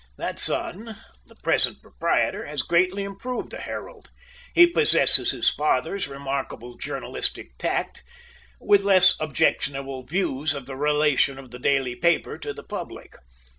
That son, the present proprietor, has greatly improved the "Herald." He possesses his father's remarkable journalistic tact, with less objectionable views of the relation of the daily paper to the public.